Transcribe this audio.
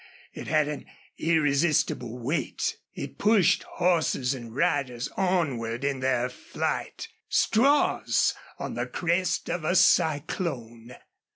It had an irresistible weight. It pushed horses and riders onward in their flight straws on the crest of a cyclone.